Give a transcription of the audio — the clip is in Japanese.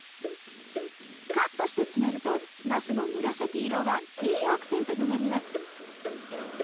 カットして詰めるとなすの紫色がいいアクセントになります。